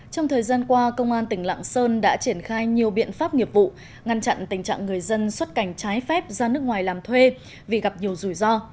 trong thời gian qua công an tỉnh lạng sơn đã triển khai nhiều biện pháp nghiệp vụ ngăn chặn tình trạng người dân xuất cảnh trái phép ra nước ngoài làm thuê vì gặp nhiều rủi ro